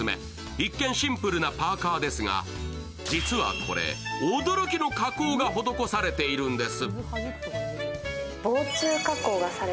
一見シンプルなパーカーですが、実はこれ驚きの加工が施されているんです。